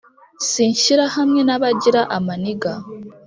sinshyira hamwe n’abagira amaniga